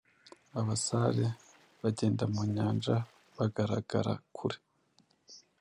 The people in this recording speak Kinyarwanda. abasare bagenda mu nyanja bagaragara kure